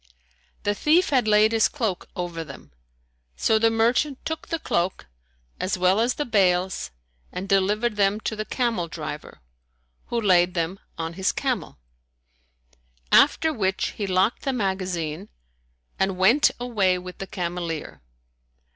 The thief had laid his cloak over them; so the merchant took the cloak as well as the bales and delivered them to the camel driver, who laid them on his camel; after which he locked the magazine and went away with the cameleer.